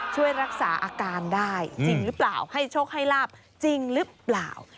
ช่วยรักษาอาการได้จริงหรือเปล่าให้โชคให้ลาบจริงหรือเปล่า